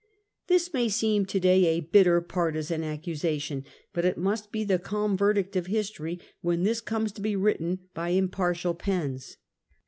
This may seem to day a bitter partisan accusation, but it must be the calm verdict of history when this comes to be written by impartial pens.